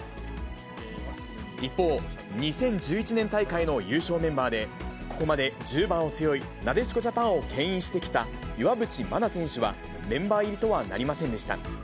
一方、２０１１年大会の優勝メンバーで、ここまで１０番を背負い、なでしこジャパンをけん引してきた岩渕真奈選手はメンバー入りとはなりませんでした。